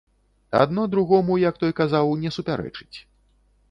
Адно другому, як той казаў, не супярэчыць.